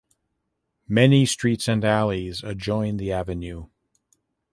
Many streets and alleys adjoin the avenue.